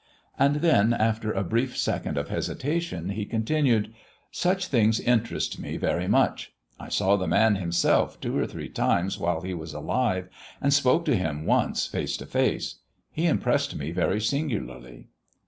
And then, after a brief second of hesitation, he continued: "Such things interest me very much. I saw the Man Himself two or three times while He was alive, and spoke to Him once face to face. He impressed me very singularly."